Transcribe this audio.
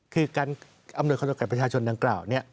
คือการอำนวยความตนกับประชาชนดังกล่าวนี้